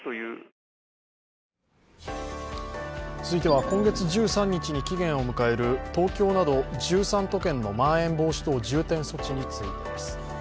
続いては今月１３日に期限を迎える東京など１３都県のまん延防止等重点措置についてです。